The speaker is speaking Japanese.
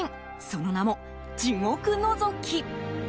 その名も地獄のぞき。